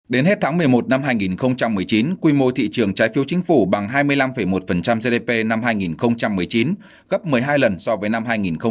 đến hết tháng một mươi một năm hai nghìn một mươi chín quy mô thị trường trái phiếu chính phủ bằng hai mươi năm một gdp năm hai nghìn một mươi chín gấp một mươi hai lần so với năm hai nghìn một mươi bảy